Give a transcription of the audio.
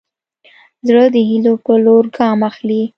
زړه د هيلو په لور ګام اخلي.